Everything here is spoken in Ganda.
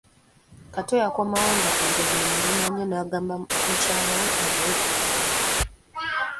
Kato yakomawo nga ennjala emuluma nnyo n'agamba mukyala we amuwe ku menvu.